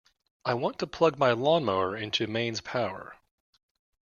I want to plug my lawnmower into mains power